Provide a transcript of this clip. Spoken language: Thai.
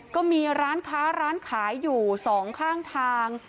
ก็มีร้านค้าร้านขายอยู่สองข้างทาง